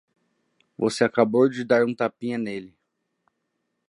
Você acabou de dar um tapinha nele.